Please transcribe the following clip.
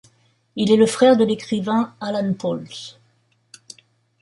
Il est le frère de l'écrivain Alan Pauls.